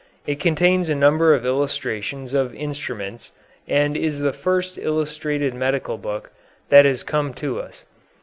It contains a number of illustrations of instruments, and is the first illustrated medical book that has come to us.